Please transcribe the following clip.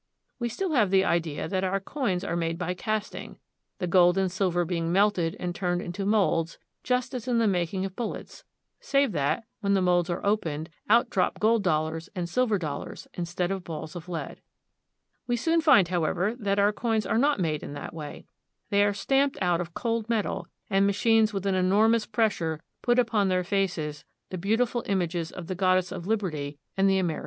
We still have the idea that our coins are made by casting, the gold and silver being melted and turned into molds just as in the making of bullets, save that, when the molds are opened, out drop gold dollars and silver dollars instead of balls of lead. We soon find, however, that our coins are not made in that way. They are stamped out of cold metal, and ma chines with an enormous pressure put upon their faces the beautiful images of the goddess of liberty and the Ameri CARP. N. AM.— 4 56 PHILADELPHIA.